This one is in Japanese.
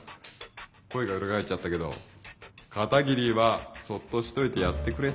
声が裏返っちゃったけど片桐はそっとしといてやってくれ。